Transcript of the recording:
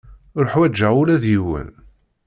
Ur ḥwajeɣ ula d yiwen.